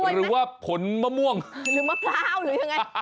หรือว่าผลมะม่วงหรือมะพร้าวหรือยังไง